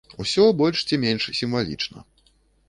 Усё больш ці менш сімвалічна.